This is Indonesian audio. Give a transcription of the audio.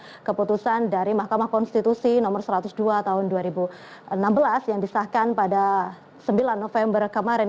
ada keputusan dari mahkamah konstitusi nomor satu ratus dua tahun dua ribu enam belas yang disahkan pada sembilan november kemarin